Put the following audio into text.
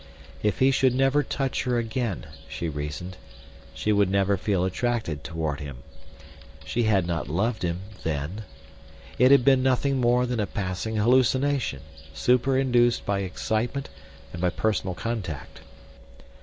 If he should never touch her again, she reasoned, she would never feel attracted toward him. She had not loved him, then. It had been nothing more than a passing hallucination, super induced by excitement and by personal contact.